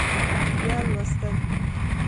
بیا لوستل